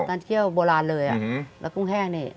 น้ำตาลเขี้ยวโบราณเลยอะแล้วกุ้งแห้งเนี่ย